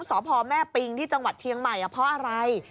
สพแม่ปิงที่จังหวัดเชียงใหม่เพราะอะไร